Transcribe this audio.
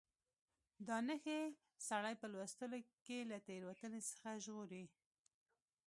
دا نښې سړی په لوستلو کې له تېروتنې څخه ژغوري.